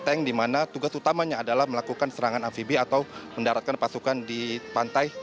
tank di mana tugas utamanya adalah melakukan serangan amfibi atau mendaratkan pasukan di pantai